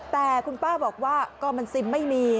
แต่คุณป้าบอกว่าก็มันซิมไม่มี